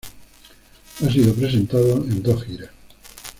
Ha sido presentado en dos giras.